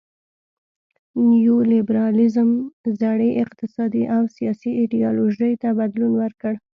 نیو لیبرالیزم زړې اقتصادي او سیاسي ایډیالوژۍ ته بدلون ورکړ.